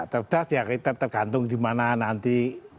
cerdas ya kita tergantung di mana nanti